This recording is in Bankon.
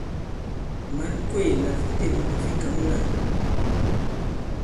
Mǎn kwéè la fi têm ndi fi kǎm lâ ?